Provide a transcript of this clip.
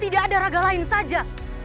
tidak ada raga lain saja